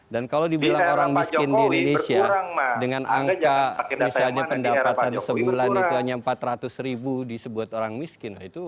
dan kalau dibilang orang miskin di indonesia dengan angka misalnya pendapatan sebulan itu hanya empat ratus ribu disebut orang miskin